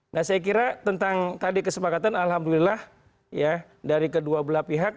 nah saya kira tentang tadi kesepakatan alhamdulillah ya dari kedua belah pihak